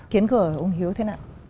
khiến cờ ông hiếu thế nào